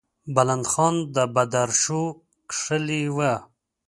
بلند خان د بدرشو کښلې وه.